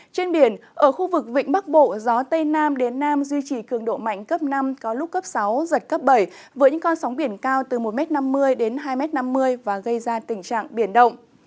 trên biển ở khu vực vịnh bắc bộ gió tây nam đến nam duy trì cường độ mạnh cấp năm có lúc cấp sáu giật cấp bảy với những con sóng biển cao từ một năm mươi đến hai năm mươi và gây ra tình trạng biển động